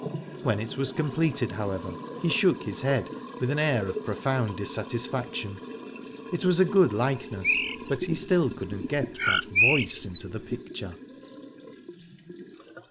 When it was completed, however, he shook his head with an air of profound dissatisfaction. It was a good likeness, but he still couldn't get that voice into the picture.